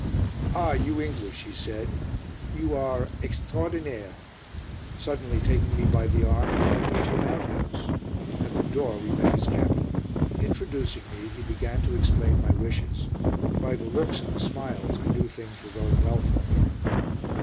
"Ah, you English," he said, "you are extraordinaire." Suddenly taking me by the arm, he led me to an outhouse. At the door we met his Captain. Introducing me, he began to explain my wishes. By the looks and the smiles, I knew things were going well for me.